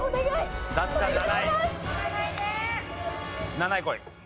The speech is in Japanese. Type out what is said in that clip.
７位こい。